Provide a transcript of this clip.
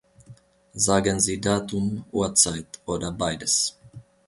Sagen Sie Datum, Uhrzeit oder beides.